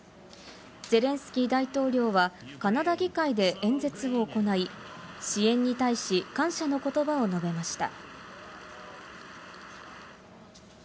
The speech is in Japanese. ゼレンスキー大統領は、カナダ議会で演説を行い、支援に対し感謝の言葉を述べました。